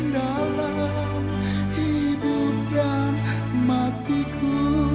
dalam hidup dan matiku